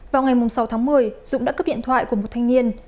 vào ngày sáu tháng một mươi dũng đã cướp điện thoại của một thanh niên